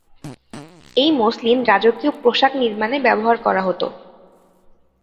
এই মসলিন রাজকীয় পোশাক নির্মাণে ব্যবহার করা হত।